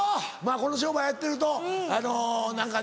この商売やってると何かね。